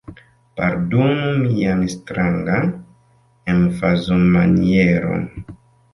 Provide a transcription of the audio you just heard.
Pardonu mian strangan emfazomanieron.